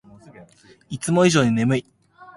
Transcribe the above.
いつも以上に眠い